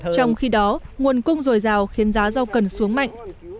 trong khi đó nguồn cung dồi dào khiến giá rau cần xuống mạnh